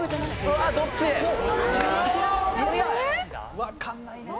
わかんないね。